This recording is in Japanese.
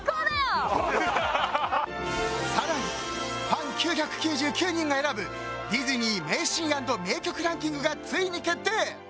更に、ファン９９９人が選ぶディズニー名シーン＆名曲ランキングがついに決定。